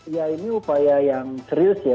ya ini upaya yang serius ya